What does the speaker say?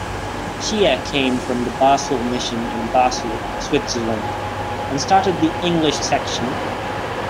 Shie came from the Basel Mission in Basel, Switzerland and started the English section.